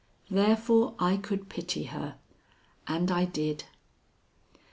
Therefore I could pity her, and I did.